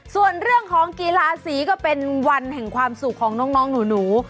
ส่วนเรื่องของกีฬาสีก็เป็นวันแห่งความสุขของน้องหนู